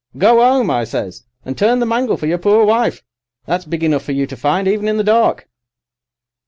Go 'ome,' I says, 'and turn the mangle for your poor wife. That's big enough for you to find, even in the dark.